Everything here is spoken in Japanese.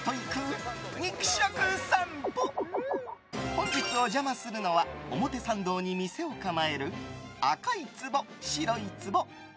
本日、お邪魔するのは表参道に店を構える赤い壺／白いつぼ。